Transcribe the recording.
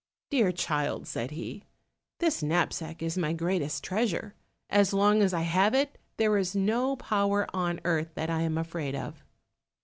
"Dear child," said he, "this knapsack is my greatest treasure; as long as I have it, there is no power on earth that I am afraid of."